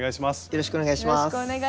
よろしくお願いします。